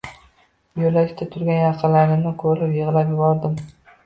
Yoʻlakda turgan yaqinlarimni koʻrib, yigʻlab yubordim